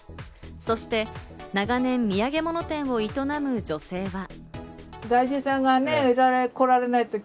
そして長年、土産物店を営む女性は。